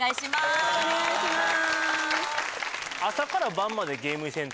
よろしくお願いします・